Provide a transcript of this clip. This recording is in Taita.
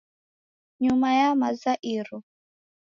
Nyuma ya maza iro